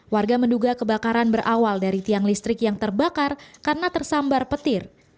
warga menduga kebakaran berawal dari tiang listrik yang terbakar karena tersambar petir